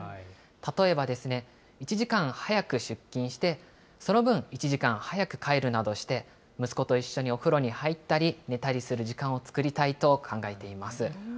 例えばですね、１時間早く出勤して、その分、１時間早く帰るなどして、息子と一緒にお風呂に入ったり、寝たりする時間を作りたいと考えています。